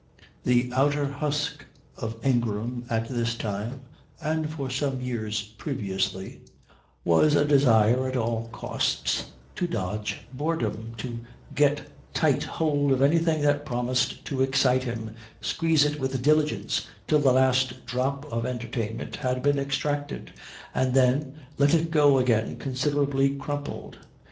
The outer husk of Ingram at this time and for some years previously was a desire at all costs to dodge boredom, to get tight hold of anything that promised to excite him, squeeze it with diligence till the last drop of entertainment had been extracted, and then let it go again considerably crumpled.